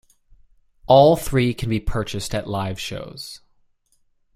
All three can be purchased at live shows.